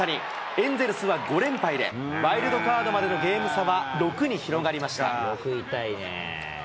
エンゼルスは５連敗でワイルドカードまでのゲーム差は６に広がりました。